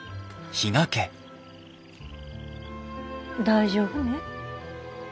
大丈夫ね？